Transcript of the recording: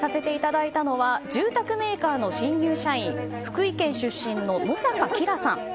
だいたいのは住宅メーカーの新入社員福岡県出身の野坂葵良さん。